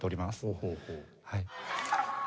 ほうほうほう。